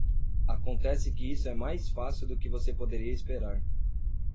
Acontece que isso é mais fácil do que você poderia esperar.